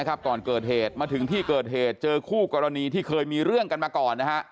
ก่อนเกิดเหตุมาถึงที่เกิดเหตุเจอคู่กรณีที่เคยมีเรื่องกันมาก่อนนะฮะ